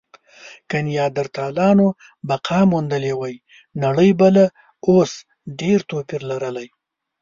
که نیاندرتالانو بقا موندلې وی، نړۍ به له اوس ډېر توپیر لرلی.